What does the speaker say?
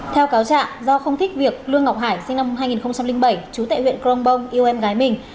theo cáo trạng do không thích việc lương ngọc hải sinh năm hai nghìn bảy chú tại huyện crong bong yêu em gái mình